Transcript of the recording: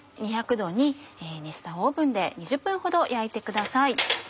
℃に熱したオーブンで２０分ほど焼いてください。